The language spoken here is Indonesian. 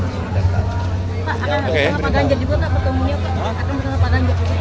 pak akan pak ganjar dibuat atau temunya pak